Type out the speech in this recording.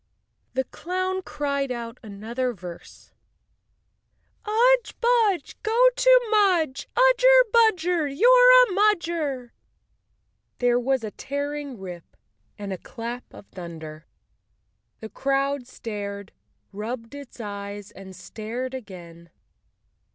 The clown cried out another verse: " Udge! Budge! Go to Mudge! Udger budger, I'm a Mudger! " There was a tearing rip and a clap of thunder. The crowd stared, rubbed its eyes and stared again.